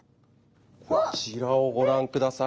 こちらをご覧ください。